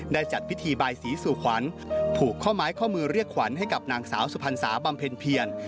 จัดพิธีบายศรีสู่ขวัญผูกข้อไม้ข้อมือเรียกขวัญให้กับนางสาวสุพรรณสาบำเพ็ญเพียร